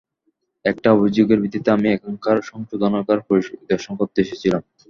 একটা অভিযোগের ভিত্তিতে আমি এখানকার সংশোধনাগার পরিদর্শন করতে এসেছিলাম।